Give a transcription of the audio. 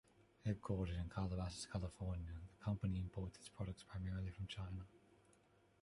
Headquartered in Calabasas, California, the company imports its products primarily from China.